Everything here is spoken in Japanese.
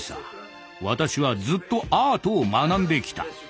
私はずっとアートを学んできた。